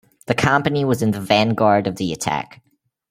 The company was in the vanguard of the attack.